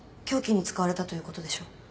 凶器に使われたということでしょう。